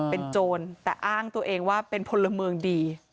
เป็นโจรแต่อ้างตัวเองว่าเป็นพลเมืองดี